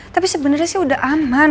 tapi sebenarnya sih udah aman